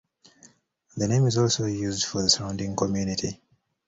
The name is also used for the surrounding community.